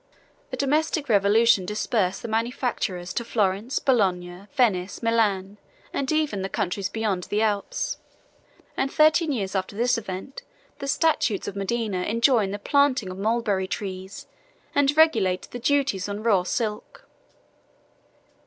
25 A domestic revolution dispersed the manufacturers to Florence, Bologna, Venice, Milan, and even the countries beyond the Alps; and thirteen years after this event the statutes of Modena enjoin the planting of mulberry trees, and regulate the duties on raw silk.